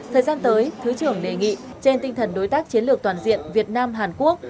thời gian tới thứ trưởng đề nghị trên tinh thần đối tác chiến lược toàn diện việt nam hàn quốc